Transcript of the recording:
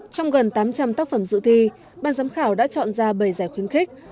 trong gần tám trăm linh tác phẩm dự thi ban giám khảo đã chọn ra bảy giải khuyến khích